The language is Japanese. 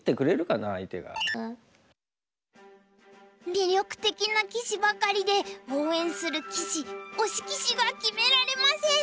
魅力的な棋士ばかりで応援する棋士推し棋士が決められません！